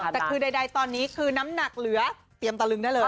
แต่คือใดตอนนี้คือน้ำหนักเหลือเตรียมตะลึงได้เลย